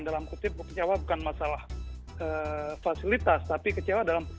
dalam kutip kecewa bukan masalah fasilitas tapi kecewa dalam